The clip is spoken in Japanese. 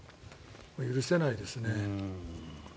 許せないですね。